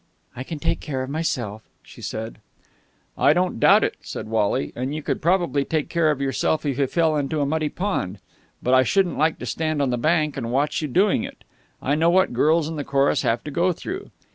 "I can take care of myself," she said. "I don't doubt it," said Wally. "And you could probably take care of yourself if you fell into a muddy pond. But I shouldn't like to stand on the bank and watch you doing it. I know what girls in the chorus have to go through.